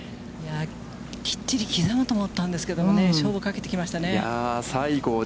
きっちり刻むと思ったんですけれども、勝負をかけてきましたね。